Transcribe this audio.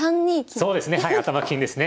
そうですねはい頭金ですね。